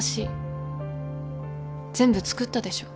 全部つくったでしょ？